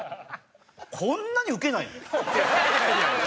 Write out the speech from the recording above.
こんなにウケないの？